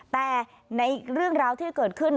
แต่ในเรื่องราวที่เกิดขึ้น